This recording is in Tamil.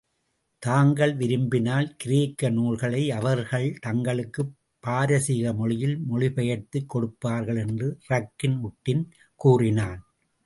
தாங்கள் விரும்பினால் கிரேக்க நூல்களை அவர்கள் தங்களுக்குப் பாரசீகமொழியில் மொழிபெயர்த்துக் கொடுப்பார்கள் என்று ரக்கின் உட்டின் கூறினான்.